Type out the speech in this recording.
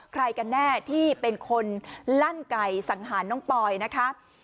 ใครกันแน่ที่เป็นคนลั่นไก่สังหารน้องปอยนะคะ